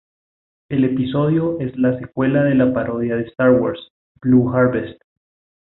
El episodio es la secuela de la parodia de "Star Wars": "Blue Harvest".